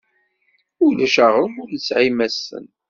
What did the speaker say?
Ulac aɣrum ur nesɛi imassen.